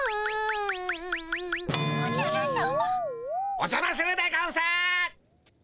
おじゃまするでゴンス。